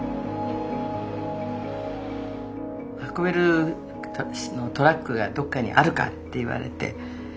運べるトラックがどっかにあるかって言われて。